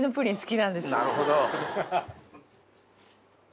なるほど。